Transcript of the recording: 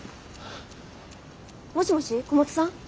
もしもし小松さん？